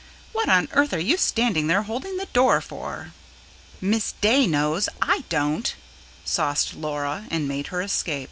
What on earth are you standing there holding the door for?" "Miss Day knows I don't," sauced Laura, and made her escape.